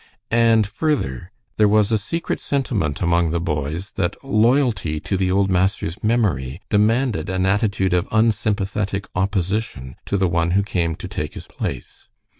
And further, there was a secret sentiment among the boys that loyalty to the old master's memory demanded an attitude of unsympathetic opposition to the one who came to take his place.